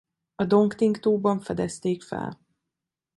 A Dong Ting-tóban fedezték fel.